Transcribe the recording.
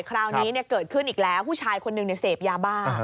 คราวนี้เกิดขึ้นอีกแล้วผู้ชายคนหนึ่งเสพยาบ้า